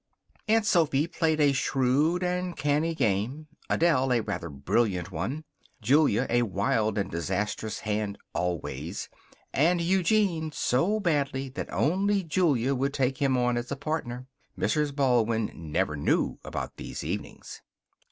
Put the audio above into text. Aunt Sophy played a shrewd and canny game, Adele a rather brilliant one, Julia a wild and disastrous hand, always, and Eugene so badly that only Julia would take him on as a partner. Mrs. Baldwin never knew about these evenings.